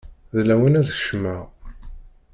D lawan ad kecmeɣ.